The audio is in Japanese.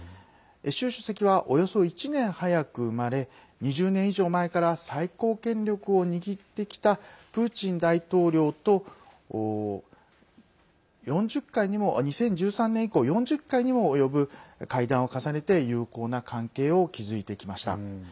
習主席は、およそ１年早く生まれ２０年以上前から最高権力を握ってきたプーチン大統領と２０１３年以降４０回にも及ぶ会談を重ねて友好な関係を築いてきました。